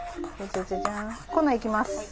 粉いきます。